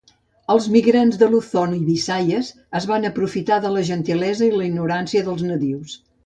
Els migrants de Luzon i Visayas es van aprofitar de la gentilesa i la ignorància dels nadius.